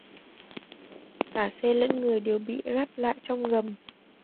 cả xe lẫn người đều bị rắt lại trong gầm